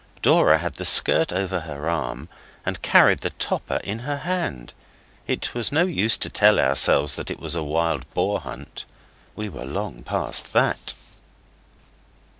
Dora had her skirt over her arm and carried the topper in her hand. It was no use to tell ourselves it was a wild boar hunt we were long past that.